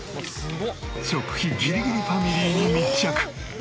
食費ギリギリファミリーに密着！